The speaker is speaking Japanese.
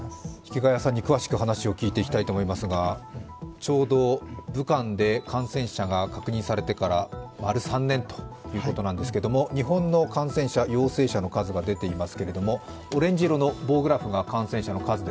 池谷さんに詳しく話を聞いていきたいと思いますがちょうど武漢で感染者が確認されてから丸３年ということなんですけれども日本の感染者・陽性者の数が出ています。